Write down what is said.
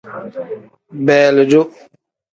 Beelidu.